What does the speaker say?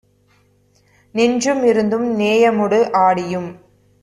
நின்றும் இருந்தும் நேயமோடு ஆடியும்